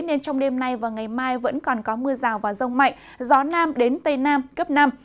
nên trong đêm nay và ngày mai vẫn còn có mưa rào và rông mạnh gió nam đến tây nam cấp năm